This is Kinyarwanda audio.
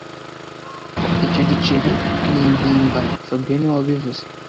Icyo giceri ni impimbano fabien niwe wabivuze